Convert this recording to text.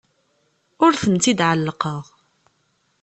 Ur tent-id-qellɛeɣ.